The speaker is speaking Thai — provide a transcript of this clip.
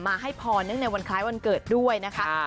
มาให้พอนึกในวันคล้ายวันเกิดด้วยนะคะค่ะ